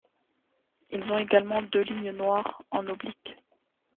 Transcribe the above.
Ils ont également deux lignes noires en obliques.